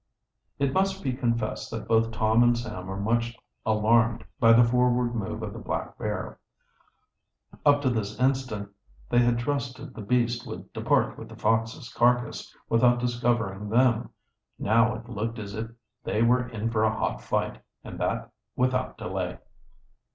It must be confessed that both Tom and Sam were much alarmed by the forward move of the black bear. Up to this instant they had trusted the beast would depart with the fox's carcass, without discovering them. Now it looked as if they were in for a hot fight, and that without delay.